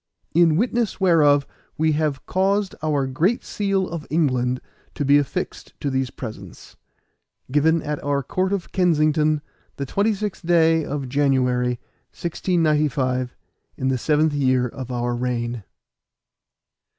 In witness whereof we have caused our Great Seal of England to be affixed to these presents. Given at our Court of Kensington, the 26th day of January, 1695, in the seventh year of our reign."